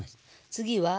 次は。